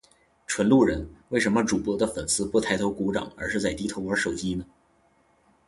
纯路人，为什么主播的粉丝不抬头鼓掌而是在低头玩手机呢？